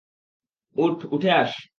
উঠ, উঠে আস।